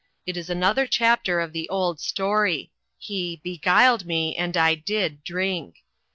It is another chapter of the old story he * beguiled me and I did ' drink.